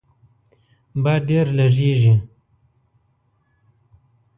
باد ډیر لږیږي